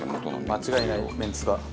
間違いないメンツだ。